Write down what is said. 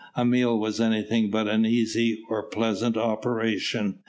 A meal was anything but an easy or pleasant operation.